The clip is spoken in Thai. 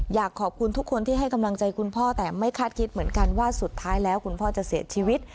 อยากขอบคุณทุกคนที่ให้กำลังใจคุณพ่อแต่ไม่คาดคิดเหมือนกันว่าสุดท้ายแล้วคุณพ่อจะเสียชีวิต